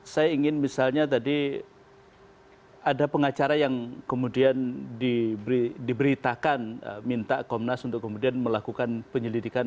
saya ingin misalnya tadi ada pengacara yang kemudian diberitakan minta komnas untuk kemudian melakukan penyelidikan